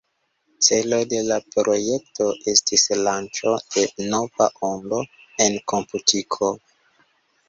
Celo de la projekto estis lanĉo de "nova ondo" en komputiko.